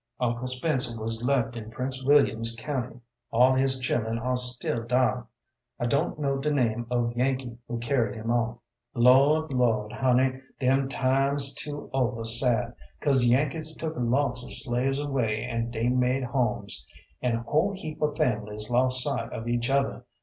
Uncle Spencer wuz left in Prince Williams County. All his chillun ar' still dar. I don't know de name of Yankee who carried him off. Lord, Lord, Honey, dem times too over sad, 'cause Yankees took lots of slaves away an' dey made homes. An' whole heap of families lost sight of each other.